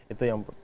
itu yang pertama